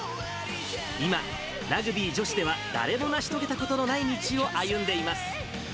今、ラグビー女子では誰も成し遂げたことのない道を歩んでいます。